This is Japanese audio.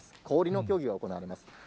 氷の競技が行われます。